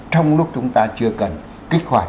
trong lúc chúng ta chưa cần kích hoạt